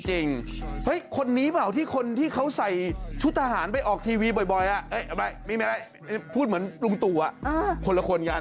คนนี้เปล่าที่คนที่เขาใส่ชุดทหารไปออกทีวีบ่อยพูดเหมือนลุงตู่คนละคนกัน